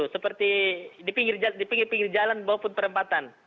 seperti di pinggir pinggir jalan maupun perempatan